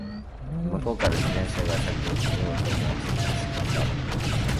向こうから自転車が避けようともせず走ってきた